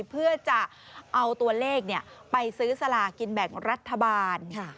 เพื่อจะเอาตัวเลขไปซื้อสลากินแบ่งรัฐบาล